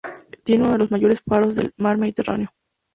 Tiene uno de los mayores faros del mar Mediterráneo.